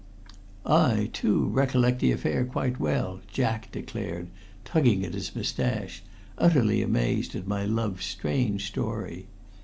"I, too, recollect the affair quite well," Jack declared, tugging at his mustache, utterly amazed at my love's strange story.